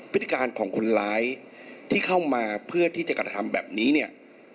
พฤติการของคนร้ายที่เข้ามาเพื่อที่จะกระทำแบบนี้เนี่ย